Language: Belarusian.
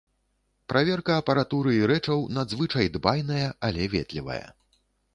Праверка апаратуры і рэчаў надзвычай дбайная, але ветлівая.